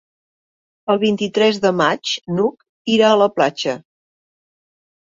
El vint-i-tres de maig n'Hug irà a la platja.